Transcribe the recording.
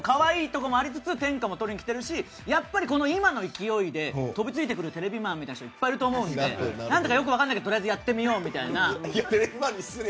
天下もとりにきてるしやっぱり、今の勢いで飛びついてくるテレビマンみたいな人いっぱいいると思うんで何だかよく分からないけどとりあえずやってみようみたいな。